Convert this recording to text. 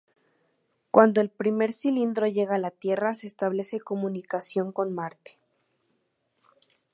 Cuando el primer cilindro llega a la Tierra se establece comunicación con Marte.